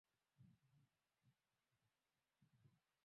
Amefikisha ukingoni